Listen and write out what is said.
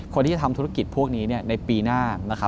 คนที่จะทำธุรกิจพวกนี้ในปีหน้า